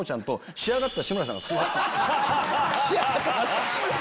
仕上がってた。